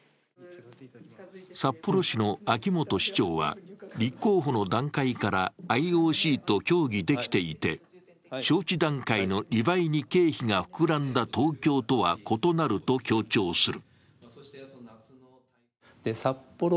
札幌市の秋元市長は立候補の段階からＩＯＣと協議できていて、招致段階の２倍に経費が膨らんだ東京とは異なると強調する。